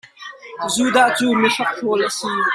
Judah cu mi hrokhrol a si.